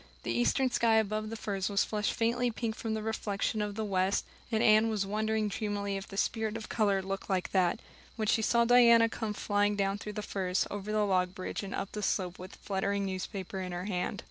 The eastern sky above the firs was flushed faintly pink from the reflection of the west, and Anne was wondering dreamily if the spirit of color looked like that, when she saw Diana come flying down through the firs, over the log bridge, and up the slope, with a fluttering newspaper in her hand.